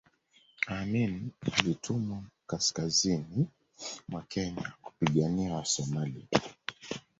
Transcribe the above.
amin alitumwa kaskazini mwa kenya kupigania wasomalia